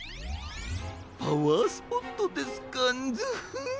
パワースポットですかンヅフッ！